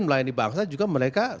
melayani bangsa juga mereka